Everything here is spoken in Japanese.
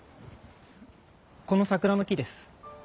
この桜の木です。